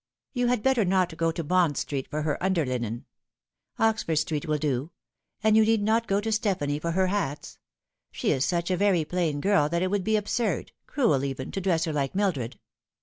You had better not go to Bond Street for her under linen. Oxford Street will do ; and you need not go to Stephanie for her hats. She is such a very plain girl that it would be absurd cruel even to dress her like Mildred."